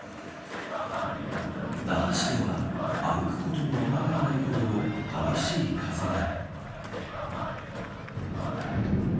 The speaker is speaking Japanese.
那覇市では歩くこともままならないほどの激しい風が。